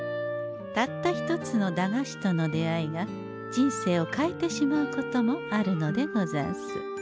たった一つの駄菓子との出会いが人生を変えてしまうこともあるのでござんす。